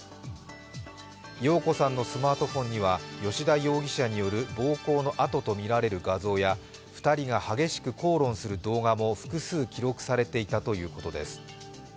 容子さんのスマートフォンには吉田容疑者による暴行の痕とみられる画像や２人が激しく口論する動画も複数記録されていたということです。